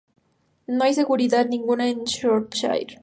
No hay ninguna ciudad en Shropshire.